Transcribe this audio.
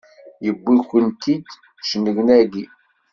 Yewwi-kent-id cennegnagi!